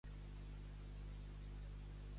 Neva a Madrid, neva a la plana de Vic.